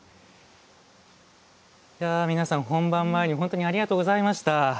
皆さん、本番前に本当にありがとうございました。